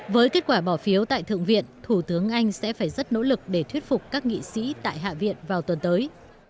với kết quả bỏ phiếu tại thượng viện thủ tướng anh sẽ phải rất nỗ lực để thuyết phục các nghị sĩ tại hạ viện vào tuần tới